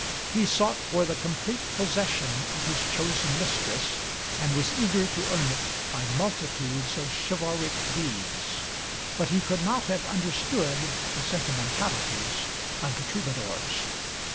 He sought for the complete possession of his chosen mistress, and was eager to earn it by multitudes of chivalric deeds; but he could not have understood the sentimentalities of the Troubadours.